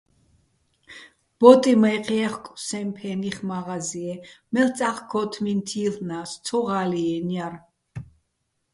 ბო́ტიჼ მაჲჴი̆ ჲე́ხკო̆ სოჼ ფე́ნიხ მა́ღაზიე, მელწა́ხ ქო́თმინ თი́ლ'ნა́ს, ცო ღა́ლჲიენო̆ ჲარ.